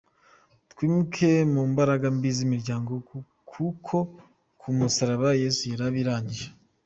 Twimuke mu mbaraga mbi z’imiryango, kuko ku musaraba Yesu yarabirangije.